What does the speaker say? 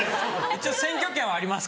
一応選挙権はあります。